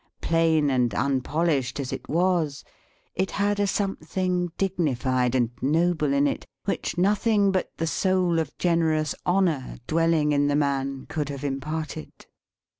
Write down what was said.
Plain and unpolished as it was, it had a something dignified and noble in it, which nothing but the soul of generous Honor dwelling in the man, could have imparted.